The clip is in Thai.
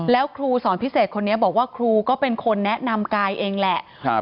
แล้วครูสอนพิเศษคนนี้บอกว่าครูก็เป็นคนแนะนำกายเองแหละ